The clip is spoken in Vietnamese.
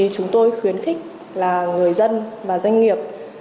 chúng tôi khuyến khích người dân và doanh nghiệp